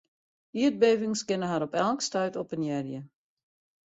Ierdbevings kinne har op elk stuit oppenearje.